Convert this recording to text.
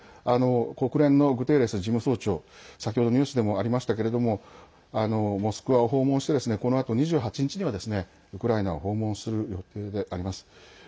国連のグテーレス事務総長先ほどニュースでもありましたけれどもモスクワを訪問してこのあと２８日にはウクライナを訪問する予定であります。